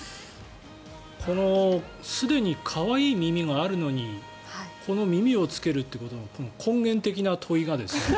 このすでに可愛い耳があるのにこの耳をつけるということが根源的な問いが。